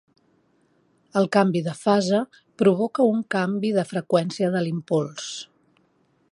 El canvi de fase provoca un canvi de freqüència de l'impuls.